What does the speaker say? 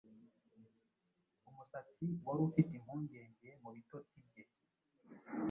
Umusatsi wari ufite impungenge mubitotsi bye